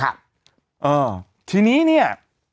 เออทีนี้เนี่ย